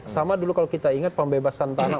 sama dulu kalau kita ingat pembebasan tanah